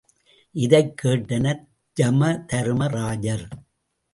இதைக் கேட்டனர் யமதருமராஜர்.